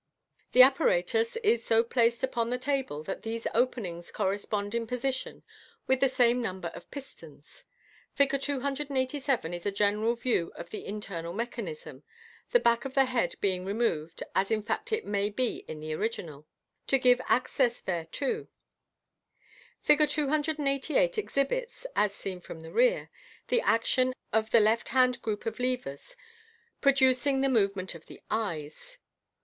The apparatus is so placed upon the table that these openings correspond in position with the same number of pistons. Fig. 287 is a general view of the internal mechanism, the back of the head being removed (as in fact it may be in the original) to give access thereto* *»g. 287. jbo MODERN MAGIC. Fig. 288 exhibits (as seen from the rear) the action of the left hand group of levers, producing the movement of the eyes.